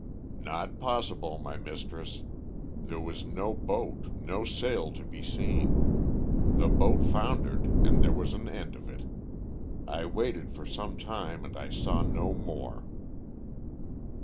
"Not possible, my mistress. There was no boat, no sail to be seen. The boat foundered and there was an end of it. I waited for some time and I saw no more."